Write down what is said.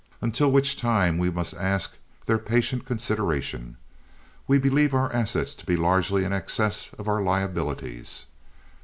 Until which time we must ask their patient consideration. We believe our assets to be largely in excess of our liabilities.